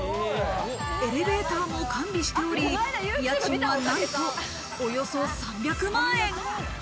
エレベーターも完備しており、家賃はなんとおよそ３００万円。